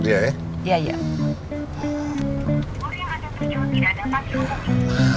boleh ngajak terjual tidak ada panggilan